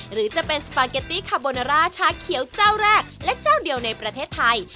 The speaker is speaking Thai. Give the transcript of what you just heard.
หรือจะเป็นสปาเกตตี้คาโบนาร่าชาเขียวเจ้าแรกและเจ้าเดียวในประเทศไทย